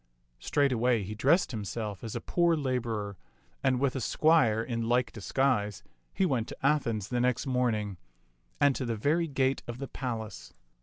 Straightway he dressed himself as a poor laborer, and with a squire in like disguise he went to Athens the next morning, and to the very gate of the palace.